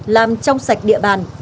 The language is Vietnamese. làm trong sạch địa bàn